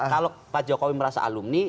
kalau pak jokowi merasa alumni